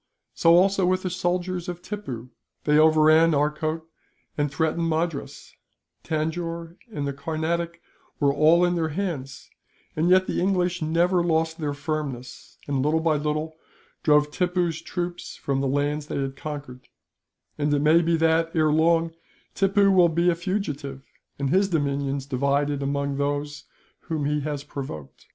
"So also with the soldiers of Tippoo. They overran Arcot and threatened Madras; Tanjore and the Carnatic were all in their hands; and yet the English never lost their firmness and, little by little, drove Tippoo's troops from the lands they had conquered; and it may be that, ere long, Tippoo will be a fugitive, and his dominions divided among those whom he has provoked.